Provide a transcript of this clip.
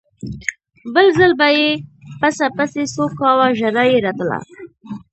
بل ځل به یې پسه پسې څو کاوه ژړا یې راتله.